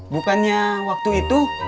bukannya waktu itu